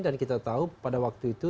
dan kita tahu pada waktu itu